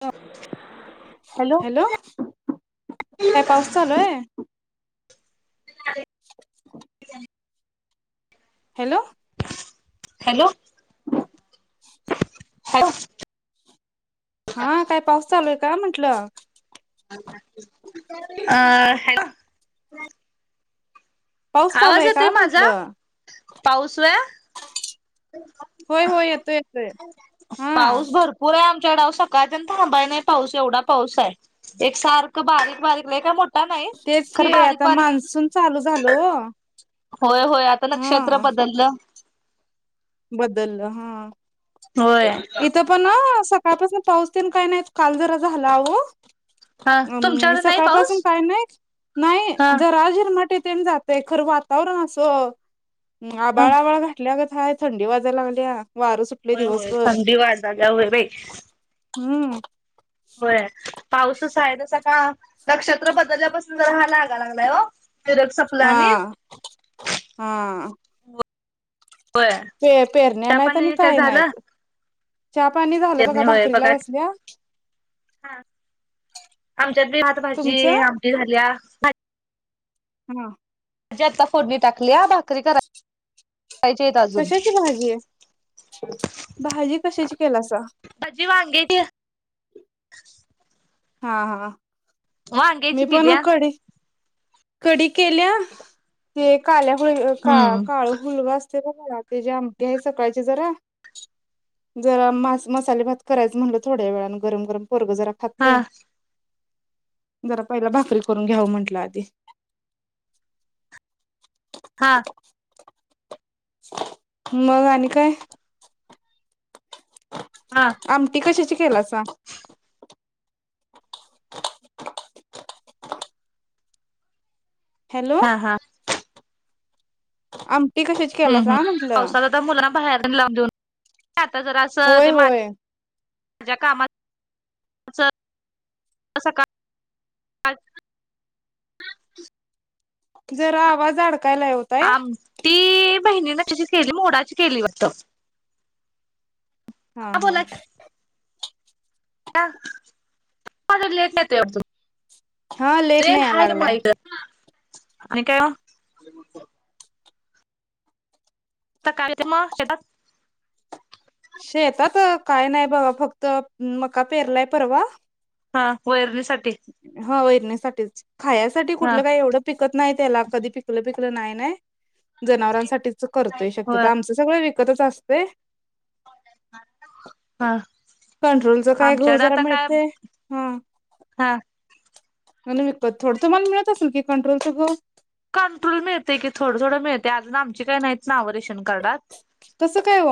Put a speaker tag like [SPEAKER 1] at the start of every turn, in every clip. [SPEAKER 1] [unintelligible] Hello, काय पाऊस चालू हाय? [unintelligible] हॅलो
[SPEAKER 2] हॅलो
[SPEAKER 1] [unintelligible]
[SPEAKER 2] [unintelligible]
[SPEAKER 1] हा, काय पाऊस चालू हाय काय म्हंटलं?
[SPEAKER 2] [unintelligible] अ हॅलो.
[SPEAKER 1] पाऊस चालू
[SPEAKER 2] आवाज
[SPEAKER 1] आहे
[SPEAKER 2] येतोय
[SPEAKER 1] का
[SPEAKER 2] माझा?
[SPEAKER 1] म्हंटलं
[SPEAKER 2] पाऊस व्हय?
[SPEAKER 1] होय होय, येतोय येतोय, हा.
[SPEAKER 2] क्याडाव सकाळच्यानं थांबाय नाई पाऊस एवढा पाऊस हाय, एक सारख बारीक-बारीक लय काय मोठ
[SPEAKER 1] तेच की, आता मान्सून चालू झालं ओ.
[SPEAKER 2] होय होय, आता नक्षत्र बदललं.
[SPEAKER 1] बदललं हा.
[SPEAKER 2] होय
[SPEAKER 1] इथं पण आ स कालपासून पाऊस तेनं काय नाई, काल जरा झाला व
[SPEAKER 2] हा
[SPEAKER 1] आणि
[SPEAKER 2] तुमच्याकडे नाही
[SPEAKER 1] सकाळ पासून
[SPEAKER 2] पाऊस
[SPEAKER 1] काय नाई, नाही
[SPEAKER 2] हा
[SPEAKER 1] जरा झिरमाट येत तेन जातय खरं, वातावरण असं आबाळ आबाळ घातल्या गत हाय थंडी वाजा लागल्या. वारं सुटलय
[SPEAKER 2] होय होय.
[SPEAKER 1] दिवसभर
[SPEAKER 2] थंडी वाजाल्या, व्हय बाई.
[SPEAKER 1] हम्म.
[SPEAKER 2] व्हय. पाऊसच हाय तसा, का नक्षत्र बदलल्यापासून जरा हा लागा लागलाय ओ.
[SPEAKER 1] हा. हा.
[SPEAKER 2] होय
[SPEAKER 1] ते पेरण्या
[SPEAKER 2] चहा
[SPEAKER 1] नाइत, आणि
[SPEAKER 2] पाणी
[SPEAKER 1] काय
[SPEAKER 2] झालं
[SPEAKER 1] नाइत. चहा-पाणी झालं
[SPEAKER 2] पेरणी
[SPEAKER 1] बघा,
[SPEAKER 2] होय
[SPEAKER 1] भाकरीला बसलोय.
[SPEAKER 2] हा आमच्यात बी भात, भाजी, आमटी झाल्या.
[SPEAKER 1] हा.
[SPEAKER 2] जी आता फोडणी टाकल्या, भाकरी करा
[SPEAKER 1] कशाची भाजीये? भाजी कशाची केलासा?
[SPEAKER 2] भाजी [unintelligible]
[SPEAKER 1] हा हा. मी
[SPEAKER 2] वांग्याची
[SPEAKER 1] पण
[SPEAKER 2] केलीया.
[SPEAKER 1] कडी कडी केल्या, ते काल्या हु का
[SPEAKER 2] हम्म.
[SPEAKER 1] काळ हुलग अस [unintelligible] आमठी हाय सकाळची जरा जरा मास मसाले भात करायच म्हणलं, थोड्या वेळान गरम-गरम पोरग जरा
[SPEAKER 2] हा
[SPEAKER 1] खाताय. जरा पहिला भाकरी करून घ्याव म्हंटलं आधी
[SPEAKER 2] हा.
[SPEAKER 1] मग आणि काय
[SPEAKER 2] हा
[SPEAKER 1] आमटी कशाची केलासा हॅलो
[SPEAKER 2] हा हा.
[SPEAKER 1] आमटी कशाची
[SPEAKER 2] हम्
[SPEAKER 1] केलासा
[SPEAKER 2] हम्
[SPEAKER 1] म्हंटलं
[SPEAKER 2] पावसाला तर मुलांना बाहेर लावून देऊन आता जरा असं
[SPEAKER 1] होय
[SPEAKER 2] ते मा
[SPEAKER 1] होय
[SPEAKER 2] माझ्या कामात [inaudible]
[SPEAKER 1] जरा आवाज अडकायला व ताई.
[SPEAKER 2] ती बहिणीने त्याशी केली मोडाची केली वाटत.
[SPEAKER 1] हा हा
[SPEAKER 2] लेट येत
[SPEAKER 1] हा लेट
[SPEAKER 2] तू
[SPEAKER 1] नाही या
[SPEAKER 2] हाय म
[SPEAKER 1] लागलाय
[SPEAKER 2] आणि काय हे शेतात
[SPEAKER 1] शेतात काय नाही बबा फक्त मका पेरलाय परवा.
[SPEAKER 2] हा वर दि
[SPEAKER 1] हा वैरणीसाठीच खायसाठी
[SPEAKER 2] हा
[SPEAKER 1] कुठलं काही एवढं पिकत नाही त्याला कधी पिकलं पिक नाही नाही जनावरांसाठीच करतोय शक्यत
[SPEAKER 2] होय
[SPEAKER 1] आमच सगळ विकतच असते.
[SPEAKER 2] हा
[SPEAKER 1] कंट्रोलचा काय घऊ
[SPEAKER 2] आमच्याकडे
[SPEAKER 1] जरा
[SPEAKER 2] आता काय
[SPEAKER 1] मिळते हा
[SPEAKER 2] हा
[SPEAKER 1] आणि विकपत थोडं मन मिळत असेल की कंट्रोलचं गहू.
[SPEAKER 2] कंट्रोल मिळते की थोडं थोडं मिळते आज आम काही नाही नावरराशी.
[SPEAKER 1] कस काय व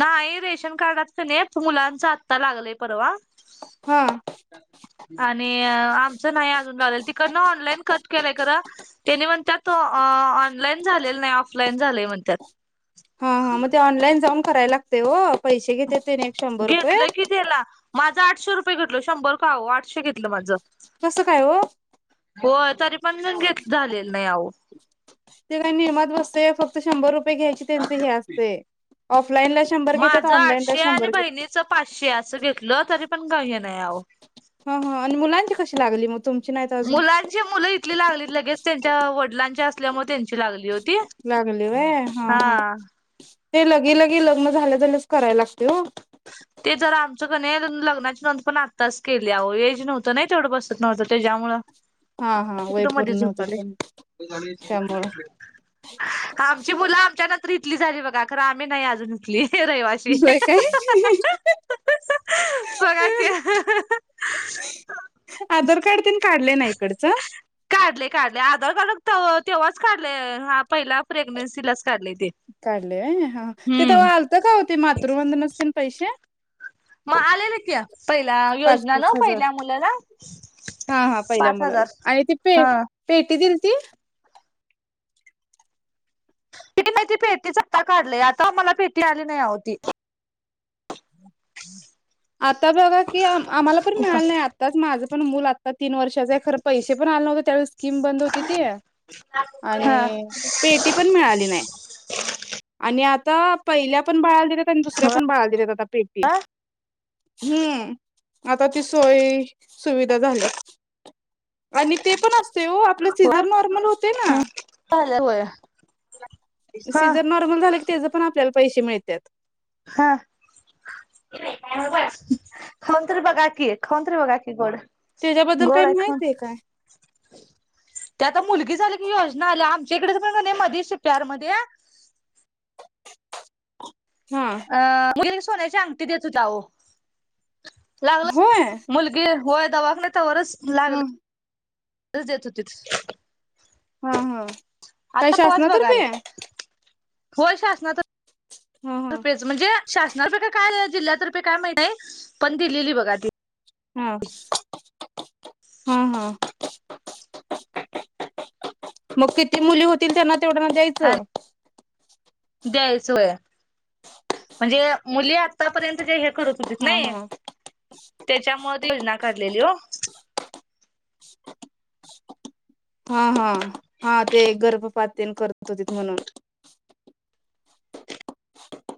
[SPEAKER 2] नाही रेशन कार्डच नाही मुलांचा आत्ता लागलंय परवा.
[SPEAKER 1] हा
[SPEAKER 2] आणि आमचं नाही अजून रालेल तिकड ना ऑनलाईन कट केलंय खंर. त्यानी म्हणतातत ऑनलाईन झालेल नाही ऑफलाईन झालेय म्हणतात.
[SPEAKER 1] हा हा मग ते ऑनलाईन जाऊ करायला लागते हो पैसे घेते. त्याने एक शंभर रुपये
[SPEAKER 2] घेतलं की त्याला माझं आठशे रुपये घेतल शंभर खं आठशे घेतलं माझं.
[SPEAKER 1] कसं काय हो
[SPEAKER 2] हो तरी पणन घेत. झालेलं नाही अहो.
[SPEAKER 1] ते काही निर्माबसतय फक्त त शंभर रुपये घ्यायची त्यांच हे असते.
[SPEAKER 2] माझ आठशे आणि
[SPEAKER 1] घेत
[SPEAKER 2] बहिणीच पाचशे असं घेतलं तरी पण काही नाही आहो.
[SPEAKER 1] हा हा आणि मुलांची कशी लागली मग तुमची नाहीत अजून
[SPEAKER 2] मुलांची मुलं इथली लागलीत लगेच त्यांच्या वडिलांच्या असल्यामुळे त्यांची लागली होती.
[SPEAKER 1] लागले वय हा हा ते लगे लगी लग्न झाले झालेच करायला लागते हो
[SPEAKER 2] ते तरर आमचंकण लग्नाची नोंद पण आत्ताच केली आहे हेज नव्हतं नाही तेवढं बसत नव्हतं त्याच्यामुळं
[SPEAKER 1] हा हा वय
[SPEAKER 2] तुकडं मध्ये
[SPEAKER 1] पूर्ण होत
[SPEAKER 2] झतले
[SPEAKER 1] त्यामुळं
[SPEAKER 2] आमची मुलं आमच्या ना तर इथली झाली बघा खरं आम्ही नाही अजून इथली रहिवाशी.
[SPEAKER 1] होय काय
[SPEAKER 2] बघ की
[SPEAKER 1] आधार कार्ड ते न काढले ना इकडच? [inaudible]
[SPEAKER 2] काढले काढले आधार तेव्हाच काढलेय हा पहिला प्रेग्नेन्सीलाच काढले ते
[SPEAKER 1] काढले हा
[SPEAKER 2] हम्म
[SPEAKER 1] तवा आलतं का? होते मातृवंदना ते न पैसे
[SPEAKER 2] [inaudible] मग आलेलं की पहिल्या
[SPEAKER 1] पाच
[SPEAKER 2] योजना
[SPEAKER 1] पाच
[SPEAKER 2] न
[SPEAKER 1] हजार
[SPEAKER 2] पहिल्या मुलाला
[SPEAKER 1] हा- हा पहिल्या
[SPEAKER 2] पाच
[SPEAKER 1] मुलाला
[SPEAKER 2] हजार
[SPEAKER 1] आणि ती पे
[SPEAKER 2] हा
[SPEAKER 1] [inaudible] पेटी दि
[SPEAKER 2] ति [inaudible] नाही ती पेटीच आता काढलीय आता आम्हाला पेटी आली नाही ती
[SPEAKER 1] आता बघा की आम्हाला पण मिळाल नाही आताच माझ पण मुल आता तीन वर्ष खरं पैसे पण आलं नव्हते त्यावेळी स्कीम बंद होती ती
[SPEAKER 2] हा
[SPEAKER 1] आणि पेटी पण मिळाली नाही आणि आ आता पहिल्या पण बाळाला दिलेत आणि दुसऱ्या पण बाळायला दिलेत आता पेटी
[SPEAKER 2] आ
[SPEAKER 1] हम्म. आता ती सोय सुविधा झाल्या आणि ते पण अस ते आपले
[SPEAKER 2] वा
[SPEAKER 1] सीझन नॉर्मल होते ना.
[SPEAKER 2] झालं होय. हा
[SPEAKER 1] सीझन नॉर्मल झालं की, त्याज पण आपल्याला पैसे मिळतात.
[SPEAKER 2] हा. [unintelligible] खाऊन तर बघून तर बघा की गोड
[SPEAKER 1] त्याच्याबद्दल
[SPEAKER 2] गोड
[SPEAKER 1] काही
[SPEAKER 2] आहे ख
[SPEAKER 1] माहितीय काय
[SPEAKER 2] त्याता मुली ही झाली की, योजना आल्या आमच्या इकडे नाही मध्ये शिप्यार मध्ये.
[SPEAKER 1] हा
[SPEAKER 2] अ मुलीला सोन्याची अंगठी देत होता आहो. लागला
[SPEAKER 1] होय
[SPEAKER 2] मुलगी होय दवाखान्यात त्यावरच.
[SPEAKER 1] हा.
[SPEAKER 2] हितच देत होतीथ.
[SPEAKER 1] हा -हा
[SPEAKER 2] पवाच बघा आल्या.
[SPEAKER 1] शासनातर्फे.
[SPEAKER 2] होय शासनातर्फे.
[SPEAKER 1] हा हा
[SPEAKER 2] रुपयेच म्हणजे शासना रुपये काय जिल्ह्यात रुपये काय महित नाही पण दिलेली बघा ती.
[SPEAKER 1] हा हा हा. मग किती मुली होतील त्यांना तेवढ्यांना दयचं.
[SPEAKER 2] द्यायचय होय म्हणजे मुली आतापर्यंत जे करत होतीस
[SPEAKER 1] हा
[SPEAKER 2] नाही
[SPEAKER 1] हा.
[SPEAKER 2] त्याच्यामुळ [unintelligible] काढलेली हो.
[SPEAKER 1] हा हा हा ते गर्भपातन तेन करत होतीत म्हणून. [inaudible]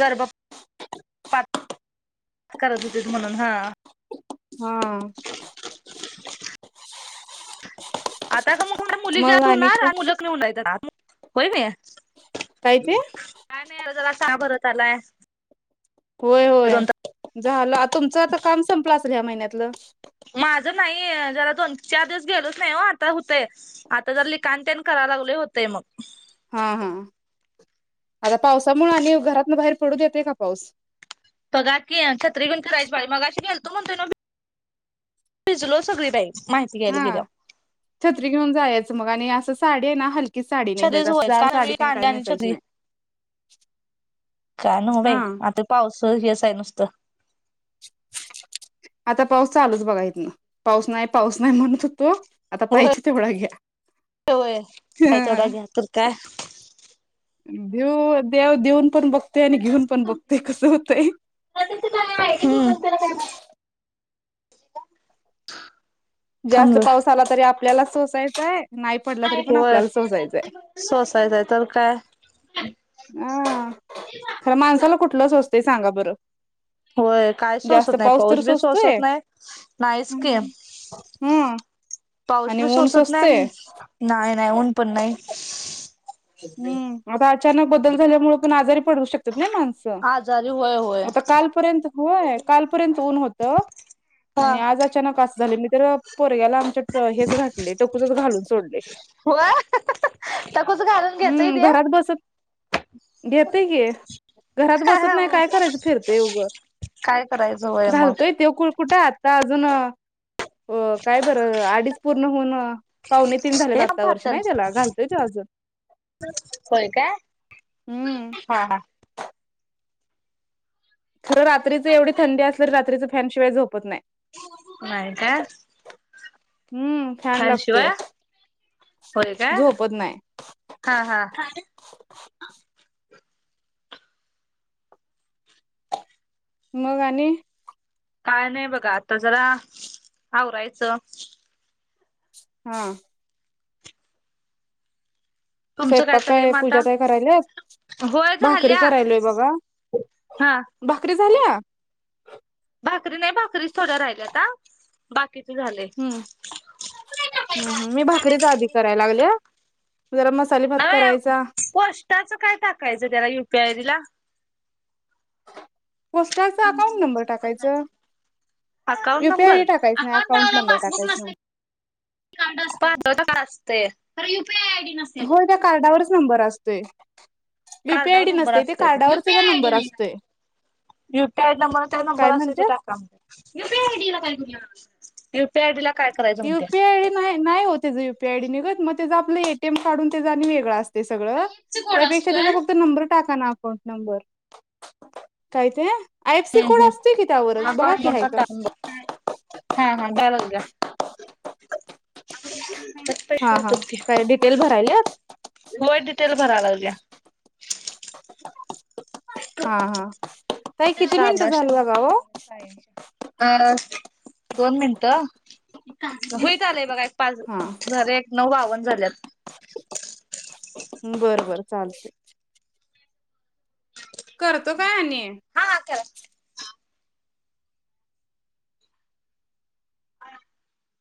[SPEAKER 2] गर्भ पात. करत होतीत म्हणून हा.
[SPEAKER 1] हा.
[SPEAKER 2] आता का मग थड [unintelligible] मुली
[SPEAKER 1] मग
[SPEAKER 2] जत
[SPEAKER 1] आणि
[SPEAKER 2] होणार
[SPEAKER 1] काय
[SPEAKER 2] मुलं नाहीऊय होय ना काय नाही आता जरा ताप भरत आलाय.
[SPEAKER 1] होय होय
[SPEAKER 2] दोन
[SPEAKER 1] झालं तुमचं आता काम संपलं असेल ह्या महिन्यातलं?
[SPEAKER 2] माझं नाही जरा दोन चार दिवस गेलोच नाही हो आता होतेय आता लिखाण ते न करायला लागले होते मग.
[SPEAKER 1] हा हा आता पावसामुळ‌ आणि घरातन बाहेर पडू येते का? पाऊस.
[SPEAKER 2] बघा की छत्री घेऊन फिरायचं बाई मगाशी गेलतो म्हणताना [inaudible] भिजलो सगळी बाई माहिती घ्यायला
[SPEAKER 1] हा
[SPEAKER 2] गेल्यावर.
[SPEAKER 1] छत्री घेऊन जायचं मग आणि असं साडी ना हलकी. की साडी नेसायच
[SPEAKER 2] छत्रीच
[SPEAKER 1] असं
[SPEAKER 2] होय
[SPEAKER 1] जाड
[SPEAKER 2] काल
[SPEAKER 1] साडी
[SPEAKER 2] मी
[SPEAKER 1] ते न
[SPEAKER 2] कांदा
[SPEAKER 1] काही नेसायची नाही.
[SPEAKER 2] का नवं बाई
[SPEAKER 1] हा
[SPEAKER 2] आता पाऊसवसुळ हे आहे नुसतं.
[SPEAKER 1] आता पाऊस चालूच बघा येत ना पाऊस नाही पाऊस नाही म्हणत‌ होतो. आता
[SPEAKER 2] होय
[SPEAKER 1] पाहिजे तेवढं घ्या
[SPEAKER 2] होय काय तेवढा
[SPEAKER 1] ह.
[SPEAKER 2] घ्या तर काय
[SPEAKER 1] देऊ देव देऊन पण बघतेय आणि घेऊन पण बघतेय कसं होतंय.
[SPEAKER 2] [inaudible] त काय माहिती काय
[SPEAKER 1] जास्त पाऊस आला तरी आपल्याला सोसायचा आय. नाही पडला तरी पण
[SPEAKER 2] होय
[SPEAKER 1] आपल्याला सोसायचं
[SPEAKER 2] सोसायचंय तर काय
[SPEAKER 1] हाय. अ खरं माणसाला कुठलं सोसतंय सांगा बरं.
[SPEAKER 2] व्हय काय
[SPEAKER 1] जास्त
[SPEAKER 2] सोसत नाही
[SPEAKER 1] तर
[SPEAKER 2] पाऊस बी सोसत नाही नाहीच की,
[SPEAKER 1] हम्.
[SPEAKER 2] पाऊस बी सोसत नाही नाहीय नाही ऊन पण नाही.
[SPEAKER 1] हम् आता अचानक बदल झाल्यामुळ पण आजारी करु शकतात नाही माणस
[SPEAKER 2] आजारी होय होय
[SPEAKER 1] आता कालपर्यंत होय कालपर्यंत ऊन हो त
[SPEAKER 2] हा
[SPEAKER 1] आणि आज अचानक आस झालय मी तर पोरग्याला आमच्या हेच घातले टकूचच घालून सोडले.
[SPEAKER 2] होय टकूच घालून घेतय
[SPEAKER 1] हम्
[SPEAKER 2] ते
[SPEAKER 1] घरात बसत घेते की घरात बसत नाही काय करायचं फिरतेय उगं
[SPEAKER 2] काय करायचं होय मग
[SPEAKER 1] घालतोय तो कु कुठ आ ता आजून अ काय बरं आडीच पूर्ण होऊन पावणे तीन झालेत
[SPEAKER 2] हे
[SPEAKER 1] आत्ता वर्ष नाही त्याला घालतोय तो आजुन
[SPEAKER 2] व्हय काय?
[SPEAKER 1] हम्म
[SPEAKER 2] हा हा
[SPEAKER 1] खरं रात्रीच एवढी थंडी असलं र रात्रीचे फॅन शिवाय झोपत नाही.
[SPEAKER 2] नाय काय?
[SPEAKER 1] हम् फॅन
[SPEAKER 2] फॅनशिवाय
[SPEAKER 1] लागतोय.
[SPEAKER 2] होय काय
[SPEAKER 1] झोपत नाही.
[SPEAKER 2] हा हा
[SPEAKER 1] मग आणि
[SPEAKER 2] काय नाही बघा आता जरा आवरायचं.
[SPEAKER 1] हा.
[SPEAKER 2] तुमचं काय
[SPEAKER 1] स्वयंपाक
[SPEAKER 2] चालय मग
[SPEAKER 1] पूजा
[SPEAKER 2] आता?
[SPEAKER 1] काय करायल्यात
[SPEAKER 2] होय
[SPEAKER 1] भाकरी
[SPEAKER 2] झाल्या.
[SPEAKER 1] करायलोय बघा
[SPEAKER 2] हा
[SPEAKER 1] भाकरी झाल्या
[SPEAKER 2] भाकरी नाही भाकरीच थोड्या राहिल्याता बाकीच झालय.
[SPEAKER 1] हुं, हुं मी भाकरीच आधी कराय लागल्या जरा मसाले भात
[SPEAKER 2] नाय
[SPEAKER 1] करायचा
[SPEAKER 2] पोस्टाचं काय टाकायचं त्याला यु. पी. आय. डी ला?
[SPEAKER 1] पोस्टाचा अकाउंट नंबर टाकायचं.
[SPEAKER 2] Account
[SPEAKER 1] U. P.
[SPEAKER 2] Number
[SPEAKER 1] ID टाकायच नाही अकाउंट नंबर टाकायच.
[SPEAKER 2] [unintelligible] असतय खरं यू. पि. आय
[SPEAKER 1] होय त्या कार्डावरच नंबर असतोय. यु. पी. आय
[SPEAKER 2] कार्डावर
[SPEAKER 1] आयडी
[SPEAKER 2] नंबर
[SPEAKER 1] नसतय ते कार्डावरचं गं नंबर असतोय.
[SPEAKER 2] यु. पी. आय नंबर त्या नंबर
[SPEAKER 1] काय
[SPEAKER 2] आसतोय तो
[SPEAKER 1] म्हणते
[SPEAKER 2] टाका. यू. पी. आयडीला
[SPEAKER 1] यु. पी. आय आयडी नाही नाही हो तेज यु. पी आयडी निघत मग तेज आपलं ए. टी. एम काढून तेज आणि वेगळ असत ते सगळं त्यापेक्षा त्याचा फक्त नंबर टाका ना अकाउंट नंबर. काय ते? आय. एफ. सी
[SPEAKER 2] हम्म
[SPEAKER 1] कोड असतोय कि त्यावरच
[SPEAKER 2] हम्म
[SPEAKER 1] बघा
[SPEAKER 2] अकाउंट
[SPEAKER 1] कि हाय
[SPEAKER 2] नंबर
[SPEAKER 1] काय?
[SPEAKER 2] टाकून बघ हा हा द्याय लागल्या [inaudible]
[SPEAKER 1] हा
[SPEAKER 2] पैसे
[SPEAKER 1] हा
[SPEAKER 2] येत्यात की
[SPEAKER 1] काय डिटेल भरायल्यात
[SPEAKER 2] होय डिटेल भराय लागल्या
[SPEAKER 1] [inaudible] हा हा ताई किती मिनिटं
[SPEAKER 2] साबणाला
[SPEAKER 1] झाल
[SPEAKER 2] शंभर
[SPEAKER 1] बघा
[SPEAKER 2] रुपये
[SPEAKER 1] ओ.
[SPEAKER 2] भरायल्यात कायमच्या अ दोन मिनटं होईत आलंय बघा एक
[SPEAKER 1] हा
[SPEAKER 2] पाच झाल एक नऊ बावन्न झाल्यात
[SPEAKER 1] बरं बर चालते. करतो काय आणि.
[SPEAKER 2] हा हा करा.